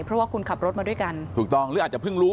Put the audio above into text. เพราะว่าคุณขับรถมาด้วยกันถูกต้องหรืออาจจะเพิ่งรู้